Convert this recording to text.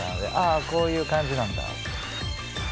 あこういう感じなんだ。